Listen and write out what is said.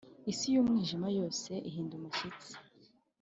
isi yumwijima yose ihinda umushyitsi